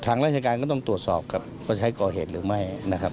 ทางราชการก็ต้องตรวจสอบว่าใช้กรเหตุหรือไม่